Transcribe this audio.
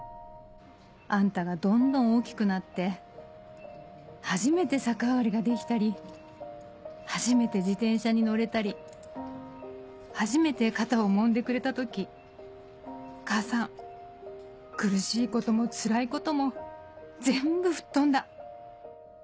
「あんたがどんどん大きくなって初めて逆上がりができたり初めて自転車に乗れたり初めて肩をもんでくれた時母さん苦しいこともつらいことも全部吹っ飛んだ」。